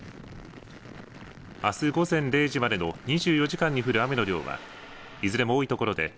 あす午前０時までの２４時間に降る雨の量はいずれも多いところで